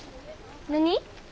何？